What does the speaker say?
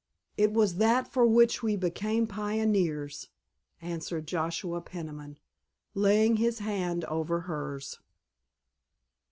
"It was that for which we became pioneers," answered Joshua Peniman, laying his hand over hers.